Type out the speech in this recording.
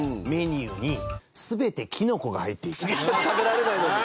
食べられないのに？